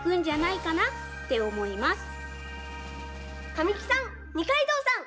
神木さん二階堂さん